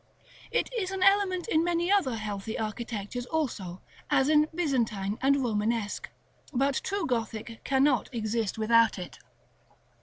It is an element in many other healthy architectures also, as in Byzantine and Romanesque; but true Gothic cannot exist without it.